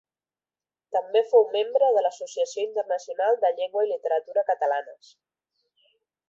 També fou membre de l'Associació Internacional de Llengua i Literatura Catalanes.